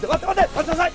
待ちなさい！